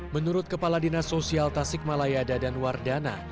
menurut kepala dinas sosial tasik malaya dadan wardana